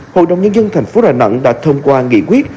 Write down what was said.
hội đồng nhân dân tp đà nẵng đã thông qua nghị quyết